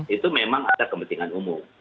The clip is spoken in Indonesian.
itu memang ada kepentingan umum